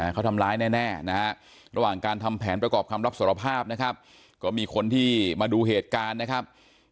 เขาทำร้ายแน่นะฮะระหว่างการทำแผนประกอบคำรับสารภาพนะครับก็มีคนที่มาดูเหตุการณ์นะครับ